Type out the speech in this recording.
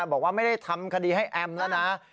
บอกว่าไม่ได้ทำคดีให้แอมแล้วนะ